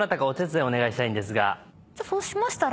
そうしましたら。